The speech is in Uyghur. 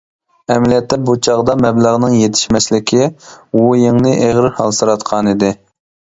ئەمەلىيەتتە بۇ چاغدا مەبلەغنىڭ يېتىشمەسلىكى ۋۇ يىڭنى ئېغىر ھالسىراتقانىدى.